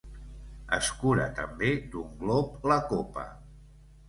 Escura també d’un glop la copa.